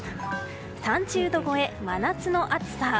３０度超え、真夏の暑さ。